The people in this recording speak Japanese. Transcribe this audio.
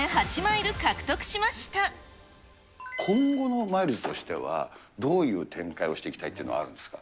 今後のマイルズとしては、どういう展開をしていきたいっていうのはあるんですか。